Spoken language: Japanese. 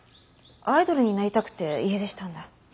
アイドルになりたくて家出したんだ。